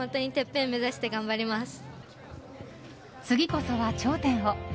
次こそは頂点を。